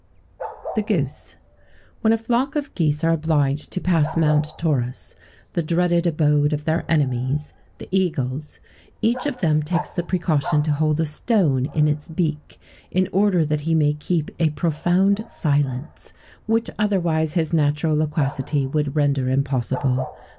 [XVII 48] THE GOOSE. When a flock of geese are obliged to pass Mount Taurus the dreaded abode of their enemies, the eagles each of them takes the precaution to hold a stone in its beak, in order that he may keep a profound silence, which, otherwise, his natural loquacity would render impossible.